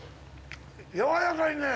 やわらかいね。